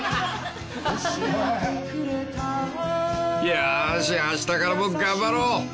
［よーしあしたからも頑張ろうおふくろ